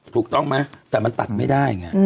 ถูกต้องมั้ยแต่มันตัดไม่ได้